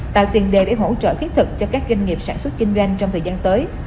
tạo tiền đề để hỗ trợ thiết thực cho các doanh nghiệp sản xuất kinh doanh trong thời gian tới